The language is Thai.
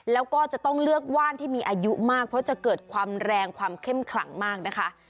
แล้วก็จะต้องเลือกว่านที่มีอายุมากเพราะจะเกิดความแรงความเข้มขลังมากนะคะ